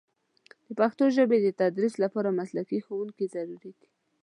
د پښتو ژبې د تدریس لپاره مسلکي ښوونکي ضروري دي.